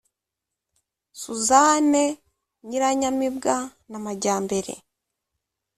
Suzanne Nyiranyamibwa na Majyambere